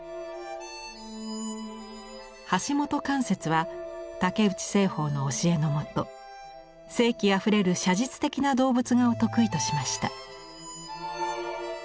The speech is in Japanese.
橋本関雪は竹内栖鳳の教えのもと生気あふれる写実的な動物画を得意としました。